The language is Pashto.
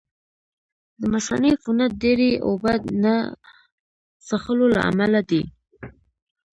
د مثانې عفونت ډېرې اوبه نه څښلو له امله دی.